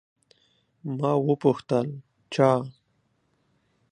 ما وپوښتل، چا؟